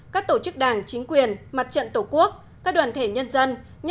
các tổ chức đảng chính quyền mặt trận tổ quốc các đoàn thể nhân dân